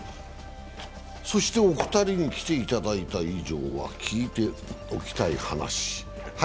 そしてお二人に来ていただいた以上は聞いておきたい話。